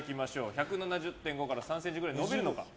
１７０．５から３ｃｍぐらい伸びるのか。